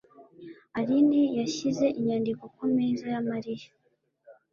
Aline yashyize inyandiko kumeza ya Mariya.